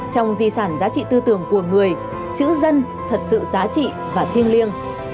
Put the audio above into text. trong di sản giá trị tư tưởng của người chữ dân thật sự giá trị và thiêng liêng